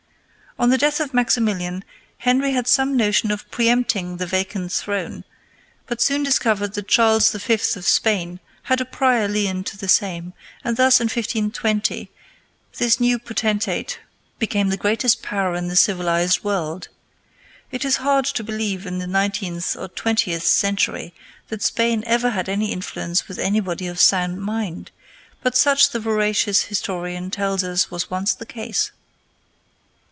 On the death of Maximilian, Henry had some notion of preëmpting the vacant throne, but soon discovered that Charles V. of Spain had a prior lien to the same, and thus, in 1520, this new potentate became the greatest power in the civilized world. It is hard to believe in the nineteenth or twentieth century that Spain ever had any influence with anybody of sound mind, but such the veracious historian tells us was once the case.